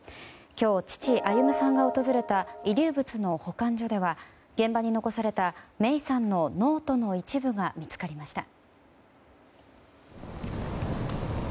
今日、父・歩さんが訪れた遺留物の保管所では現場に残された芽生さんのノートの一部が見つかりました。